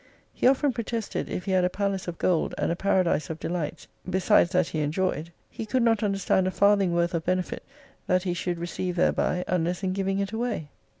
He often protested, if he had a palace of gold and a paradise of delights, besides that he enjoyed, he <:ould not understand a farthing worth of benefit that he should receive thereby unless in giving it away.